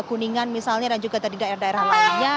kuningan misalnya dan juga dari daerah daerah lainnya